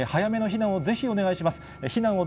避難をぜひお願いします。